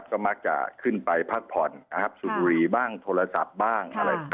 ก็มักจะขึ้นไปพักผ่อนสูบบุรีบ้างโทรศัพท์บ้าง